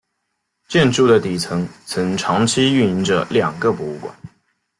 建筑的底层曾长期运营着两个博物馆。